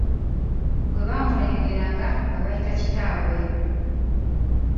Bwe baamulengeranga nga bayita kitaabwe.